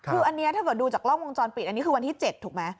คืออันนี้ถ้าเกิดดูจากกล้องวงจรปิดอันนี้คือวันที่๗ถูกไหม